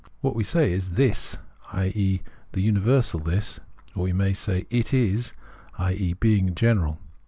What we say is :" This," i.e. the universal this ; or we say :" it is," i.e. being in general.